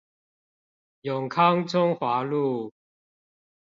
永康中華路